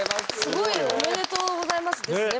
すごいよおめでとうございますですね。